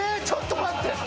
ちょっと待って。